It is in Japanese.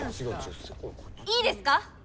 いいですか？